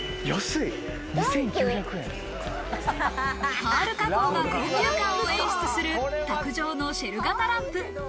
パール加工が高級感を演出する卓上のシェル型ランプ。